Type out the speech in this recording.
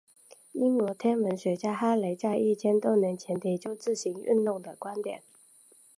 英国天文学家哈雷在一千年后提出自行运动的观点。